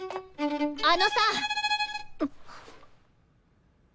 あのさ。